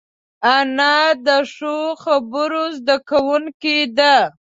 انا د ښو خبرو زده کوونکې ده